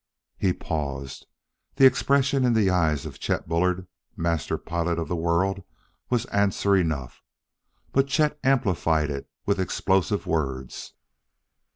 He paused. The expression in the eyes of Chet Bullard, master pilot of the world, was answer enough. But Chet amplified it with explosive words.